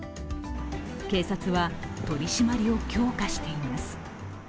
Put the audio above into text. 警察は取締りを強化しています。